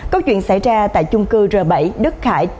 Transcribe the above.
câu chuyện xảy ra tại chung cư r bảy đức khải